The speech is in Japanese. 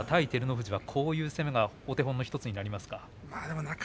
富士はこういう攻めが基本になりますか？